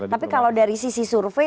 tapi kalau dari sisi survei